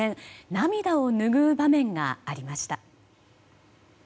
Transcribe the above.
涙を拭う場面がありました。